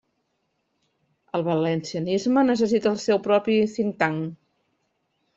El valencianisme necessita el seu propi think tank.